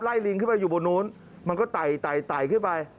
ลิงขึ้นไปอยู่บนนู้นมันก็ไต่ขึ้นไป